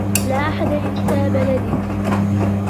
لا أحد ينسى بلدي.